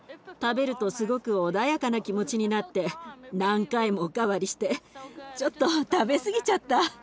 食べるとすごく穏やかな気持ちになって何回もおかわりしてちょっと食べすぎちゃった。